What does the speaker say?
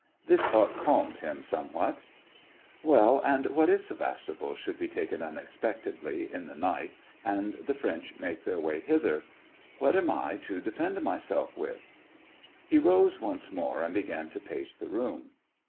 * This thought calmed him somewhat. " Well, and what if Sevastopol should be taken unexpectedly, in the night, and the French make 1 88 SEVASTOPOL IN AUGUST. their way hither ? What am I to defend myself with ?" He rose once more, and began to pace the room.